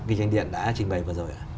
kinh doanh điện đã trình bày vừa rồi